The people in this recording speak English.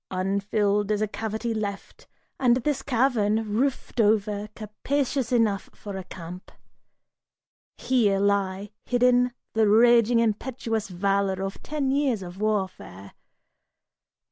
Unfilled is a cavity left, and this cavern, Roofed over, capacious enough for a camp. Here lie hidden The raging impetuous valor of ten years of warfare.